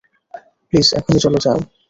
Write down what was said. Please এখনই চল যাও।